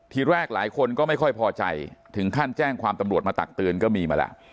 ทีแรกหลายคนก็ไม่ค่อยพอใจถึงขั้นแจ้งความตำรวจมาตักเตือนก็มีมาแล้ว